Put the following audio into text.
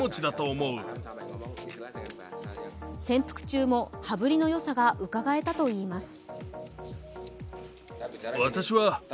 潜伏中も羽振りのよさがうかがえたといいます。